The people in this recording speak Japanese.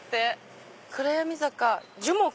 暗闇坂樹木？